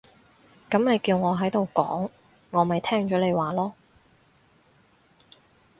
噉你叫我喺度講，我咪聽咗你話囉